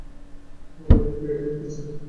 হাঁ, বেড়ি দিতে চাই।